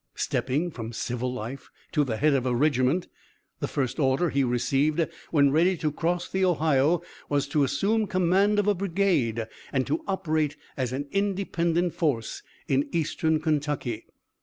Stepping from civil life to the head of a regiment, the first order he received when ready to cross the Ohio was to assume command of a brigade, and to operate as an independent force in eastern Kentucky.